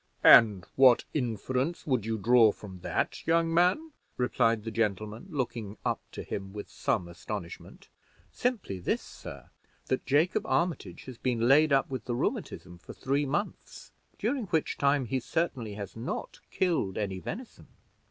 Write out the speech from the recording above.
"And what inference would you draw from that, young man?" replied the gentleman, looking up to him with some astonishment. "Simply this, sir that Jacob Armitage has been laid up with the rheumatism for three months, during which time he certainly has not killed any venison.